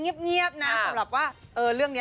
เหมือนจะเงียบนะสำหรับเรื่องนี้